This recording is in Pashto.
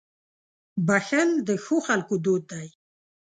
• بښل د ښو خلکو دود دی.